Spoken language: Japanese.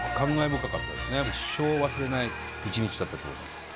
一生忘れない一日だったと思います。